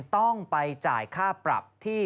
ต้องไปจ่ายค่าปรับที่